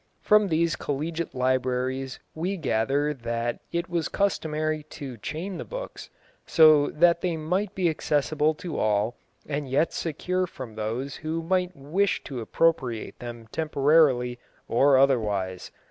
From these collegiate libraries we gather that it was customary to chain the books, so that they might be accessible to all and yet secure from those who might wish to appropriate them temporarily or otherwise.